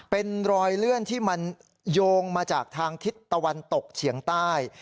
เป็นรอยเลื่อนที่มันโยงมาจากทางทิศตะวันตกเฉียงใต้